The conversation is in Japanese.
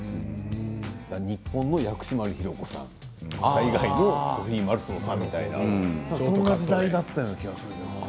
日本の薬師丸ひろ子さん、海外のソフィー・マルソーさんみたいなそんな時代だったような。